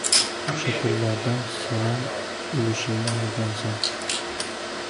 — O‘sha pullardan senam ulushingni olgansan.